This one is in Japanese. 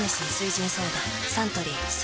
サントリー「翠」